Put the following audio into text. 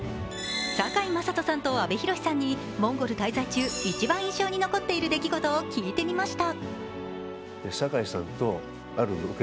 堺雅人さんと阿部寛さんにモンゴル滞在中一番印象に残っている出来事について聞きました。